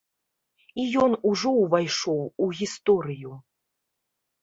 І ён ужо ўвайшоў у гісторыю.